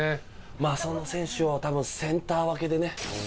その選手を多分センター分けでね。